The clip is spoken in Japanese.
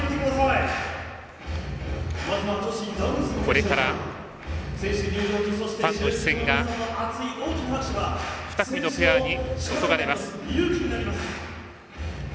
これからファンの視線が２組のペアに注がれます。